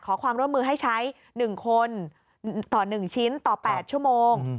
ขอความร่วมมือให้ใช้๑คนต่อ๑ชิ้นต่อ๘ชั่วโมง